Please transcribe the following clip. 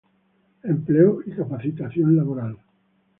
Empleo y capacitación laboral